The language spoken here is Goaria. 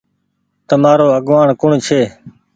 تمآرو آگوآڻ ڪوڻ ڇي۔